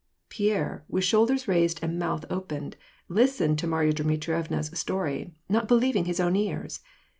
Pierre, with shoulders raised and mouth open, listened to Marya Djnitrievna's story, not believing his own ears.